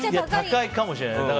高いかもしれない。